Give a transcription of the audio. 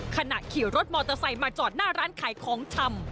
ขณะขี่รถมอเตอร์ไซค์มาจอดหน้าร้านขายของชำ